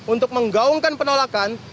untuk menggaungkan penolakan